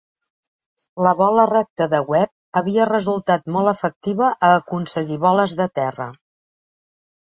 La bola recta de Webb havia resultat molt efectiva a aconseguir boles de terra.